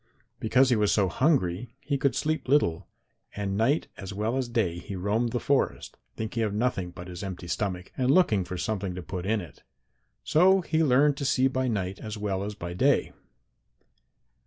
Because he was so hungry he could sleep little, and night as well as day he roamed the forest, thinking of nothing but his empty stomach, and looking for something to put in it. So he learned to see by night as well as by day.